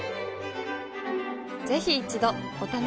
ぜひ一度お試しを。